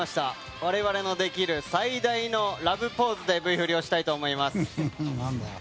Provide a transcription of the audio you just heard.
我々のできる最大のラブポーズでＶ振りしたいと思います。